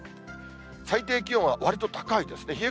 最低気温はわりと高いですね。